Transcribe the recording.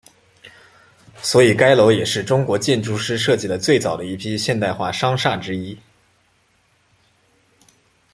所以该楼也是中国建筑师设计的最早的一批现代化商厦之一。